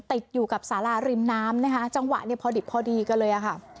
ติดอยู่กับสาราริมน้ำนะคะจังหวะเนี่ยพอดิบพอดีกันเลยอะค่ะ